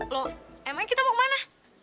loh emang kita mau ke mana